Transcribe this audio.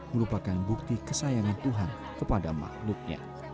merupakan bukti kesayangan tuhan kepada makhluknya